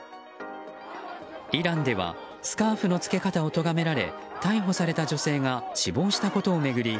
イランではスカーフの付け方をとがめられ逮捕された女性が死亡したことを巡り